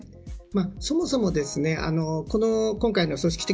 そもそも今回の組織的